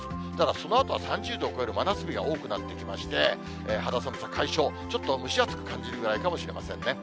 そのあとは３０度を超える真夏日が多くなってきまして、肌寒さ解消、ちょっと蒸し暑く感じるぐらいかもしれませんね。